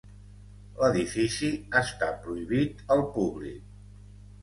L'edifici està prohibit al públic.